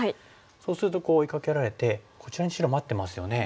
そうするとこう追いかけられてこちらに白待ってますよね。